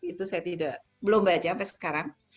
itu saya belum baca sampai sekarang